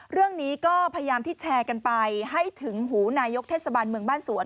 เรื่องนี้ก็พยายามที่แชร์กันไปให้ถึงหูนายกเทศบาลเมืองบ้านสวน